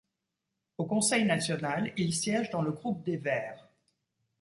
Au Conseil National, il siège dans le groupe des Verts.